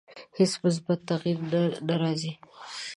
هیڅ مثبت تغییر نه راځي.